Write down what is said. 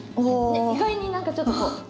ねっ意外に何かちょっとこう。